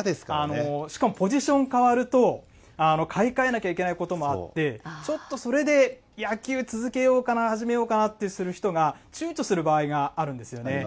しかもポジション変わると、買い替えなきゃいけないこともあって、ちょっとそれで野球続けようかな、始めようかなってする人がちゅうちょする場合があるんですよね。